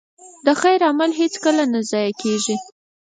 د خیر عمل هېڅکله نه ضایع کېږي.